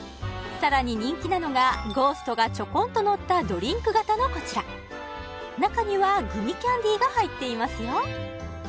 さらに人気なのがゴーストがちょこんとのったドリンク型のこちら中にはグミキャンディーが入っていますよ